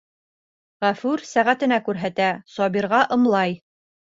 Ғәфүр сәғәтенә күрһәтә, Сабирға ымлай.